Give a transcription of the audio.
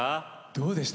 どうでした？